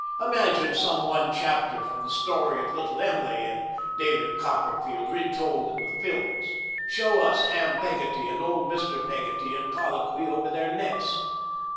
Imagine some one chapter from the story of Little Em'ly in David Copperfield, retold in the films. Show us Ham Peggotty and old Mr. Peggotty in colloquy over their nets.